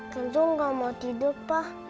keju gak mau tidur pak